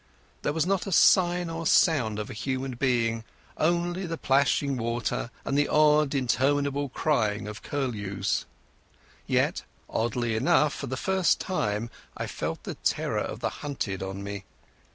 There was not a sign or sound of a human being, only the plashing water and the interminable crying of curlews. Yet, oddly enough, for the first time I felt the terror of the hunted on me.